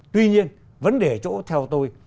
tuy nhiên vấn đề chỗ theo tôi